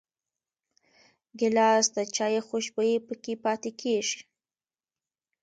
ګیلاس د چايو خوشبويي پکې پاتې کېږي.